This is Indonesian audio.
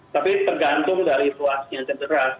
tapi tergantung dari ruasnya cedera